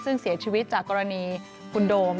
ซึ่งเสียชีวิตจากกรณีคุณโดม